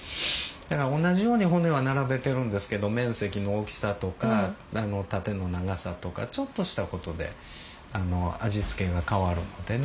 だから同じように骨は並べてるんですけど面積の大きさとか縦の長さとかちょっとした事で味付けが変わるのでね。